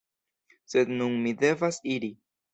Sed nun mi devas iri.